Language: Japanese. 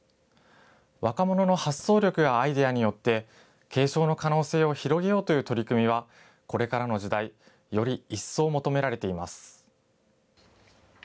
若者の発想力やアイデアによって、継承の可能性を広げようという取り組みは、これからの時代、より一層求められています。